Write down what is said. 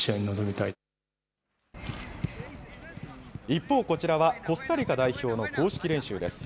一方、こちらはコスタリカ代表の公式練習です。